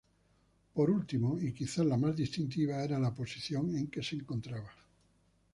Por último y quizá la más distintiva era la posición en que se encontraba.